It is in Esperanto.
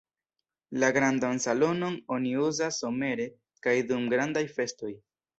La grandan salonon oni uzas somere kaj dum grandaj festoj.